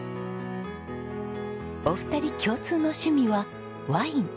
お二人共通の趣味はワイン。